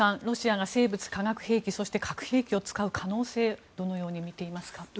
ロシアが生物・化学兵器そして核兵器を使う可能性どのようにみていますか。